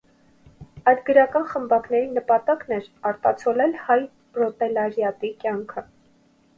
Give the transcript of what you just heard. Այդ գրական խմբակների նպատակն էր արտացոլել հայ պրոլետարիատի կյանքը։